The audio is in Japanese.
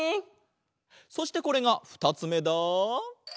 そしてこれがふたつめだ。